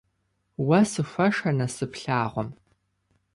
Уэ сыхуэшэ насып лъагъуэм.